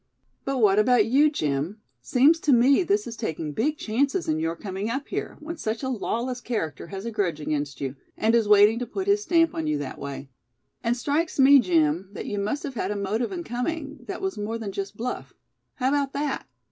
"But what about you, Jim; seems to me this is taking big chances in your coming up here, when such a lawless character has a grudge against you, and is waiting to put his stamp on you that way. And strikes me, Jim, that you must have had a motive in coming, that was more than just bluff. How about that?"